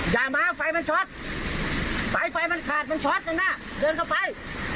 อย่ามาไฟมันช็อตไฟไฟมันขาดมันช็อตนึงนะเดินเข้าไป